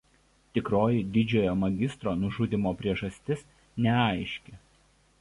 Tikroji didžiojo magistro nužudymo priežastis neaiški.